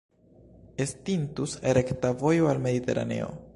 Estintus rekta vojo al Mediteraneo.